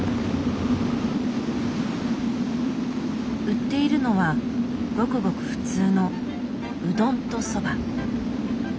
売っているのはごくごく普通のうどんとそば。